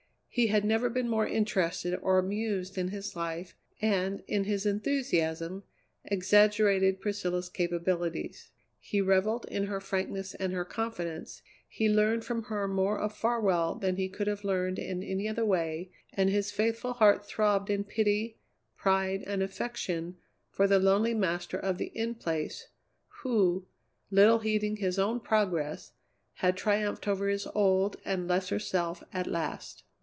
He had never been more interested or amused in his life, and, in his enthusiasm, exaggerated Priscilla's capabilities. He revelled in her frankness and her confidence; he learned from her more of Farwell than he could have learned in any other way, and his faithful heart throbbed in pity, pride, and affection for the lonely master of the In Place, who, little heeding his own progress, had triumphed over his old and lesser self at last.